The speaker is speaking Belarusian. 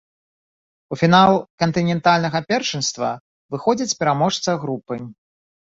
У фінал кантынентальнага першынства выходзіць пераможца групы.